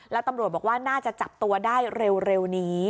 แล้วตำรวจบอกว่าน่าจะจับตัวได้เร็วนี้